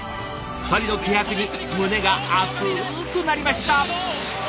２人の気迫に胸が熱くなりました。